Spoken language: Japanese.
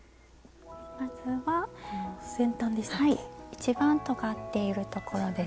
一番とがっているところですね。